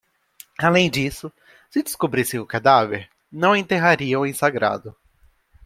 Além disso, se descobrissem o cadáver, não a enterrariam em sagrado.